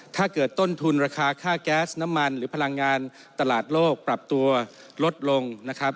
ถ้าเกิดต้นทุนราคาค่าแก๊สน้ำมันหรือพลังงานตลาดโลกปรับตัวลดลงนะครับ